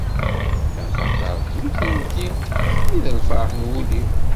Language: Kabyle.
Axaṭer, d nutenti i d lferḥ n wul-iw.